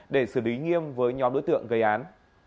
để xử lý nghiêm với nhóm đối tượng gây án